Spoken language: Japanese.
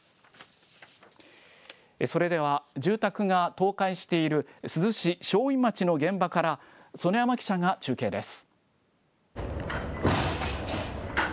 それでは住宅が倒壊している珠洲市正院町の現場から、園山記者が中継です。